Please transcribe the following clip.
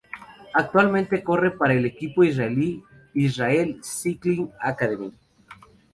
Actualmente corre para el equipo israelí Israel Cycling Academy.